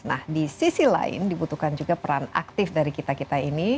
nah di sisi lain dibutuhkan juga peran aktif dari kita kita ini